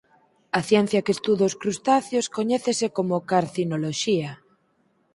A ciencia que estuda os crustáceos coñécese como carcinoloxía.